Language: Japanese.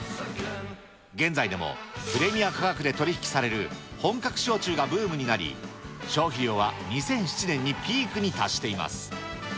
現在でもプレミア価格で取り引きされる本格焼酎がブームになり、消費量は２００７年にピークに達しています。